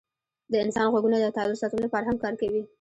د انسان غوږونه د تعادل ساتلو لپاره هم کار کوي.